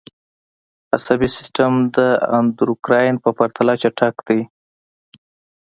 عصبي سیستم د اندوکراین په پرتله چټک دی